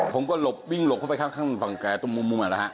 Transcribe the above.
ผมก็หลบวิ่งหลบเข้าไปข้างฝั่งแกตรงมุมนะฮะ